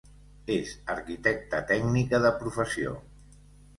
És arquitecta tècnica de professió.